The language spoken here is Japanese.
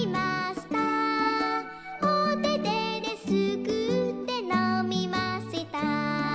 「おててですくってのみました」